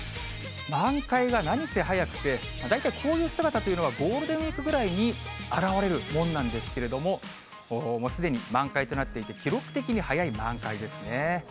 満開が何せ早くて、大体こういう姿というのは、ゴールデンウィークぐらいに現れるものなんですけれども、もうすでに満開となっていて、記録的に早い満開ですね。